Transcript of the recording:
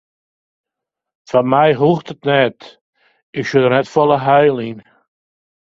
Foar my hoecht it net, ik sjoch der net folle heil yn.